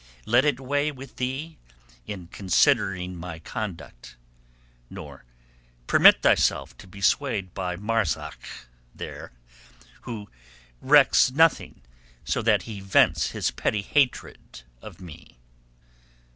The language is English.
Let it weigh with thee in considering my conduct, nor permit thyself to be swayed by Marzak there, who recks nothing so that he vents his petty hatred of me."